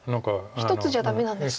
１つじゃダメなんですか？